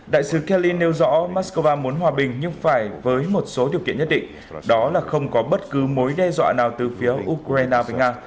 đại sứ kali nêu rõ moscow muốn hòa bình nhưng phải với một số điều kiện nhất định đó là không có bất cứ mối đe dọa nào từ phía ukraine với nga